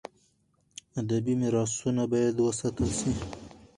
. ادبي میراثونه باید وساتل سي.